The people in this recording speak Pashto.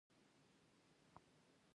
دروح غذا تقوا